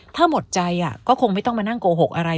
ถ้าหมดใจก็คงไม่ต้องมานั่งโกหกอะไร